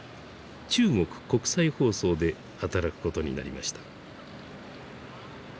中国国際放送で働くことになりました。